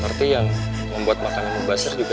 berarti yang membuat makanan buzzer juga